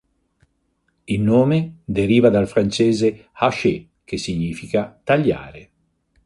Il nome deriva dal francese "hacher" che significa "tagliare".